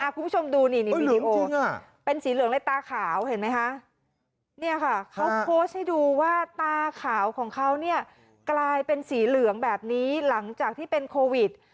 คุณผู้ชมดูนี่เป็นสีเหลืองเลยตาขาวเห็นไหมคะเนี่ยค่ะเขาโพสต์ให้ดูว่าตาขาวของเขาเนี่ยกลายเป็นสีเหลืองแบบนี้หลังจากที่เป็นโควิด